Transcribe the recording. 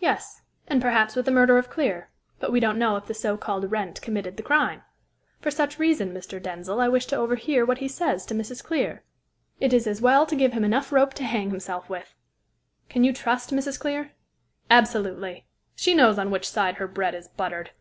"Yes, and perhaps with the murder of Clear; but we don't know if the so called Wrent committed the crime. For such reason, Mr. Denzil, I wish to overhear what he says to Mrs. Clear. It is as well to give him enough rope to hang himself with." "Can you trust Mrs. Clear?" "Absolutely. She knows on which side her bread is buttered.